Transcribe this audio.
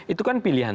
itu kan pilihan